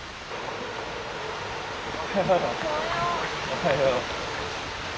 おはよう。